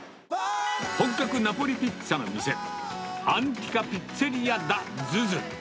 本格ナポリピッツァの店、アンティカピッツェリアダズズ。